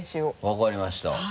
分かりました。